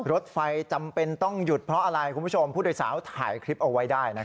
รถไฟจำเป็นต้องหยุดเพราะอะไรคุณผู้ชมผู้โดยสารถ่ายคลิปเอาไว้ได้นะครับ